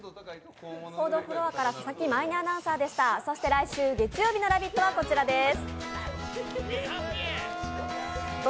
来週月曜日の「ラヴィット！」はこちらです。